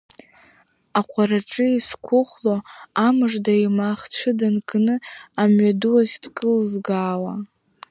Аҟәараҿы изқәыхәло амыжда имахцәы данкны амҩаду ахь дкылзгауа…